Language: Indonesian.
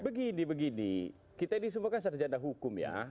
begini begini kita ini semua kan sarjana hukum ya